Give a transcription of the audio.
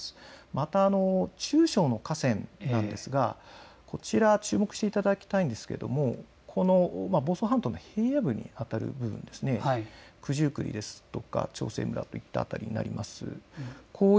また中小の河川なんですが、こちらに注目していただきたいんですが、房総半島の平野部にあたる部分、九十九里ですとか長生村といった辺りになります。